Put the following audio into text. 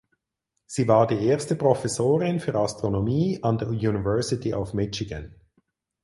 Sie war die erste Professorin für Astronomie an der University of Michigan.